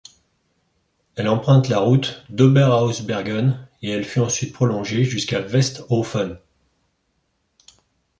Elle emprunte la route d'Oberhausbergen et elle fut ensuite prolongée jusqu'à Westhoffen.